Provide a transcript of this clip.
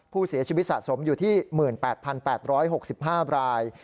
ผู้เสียชีวิตสะสมอยู่ที่๑๘๘๖๕ราย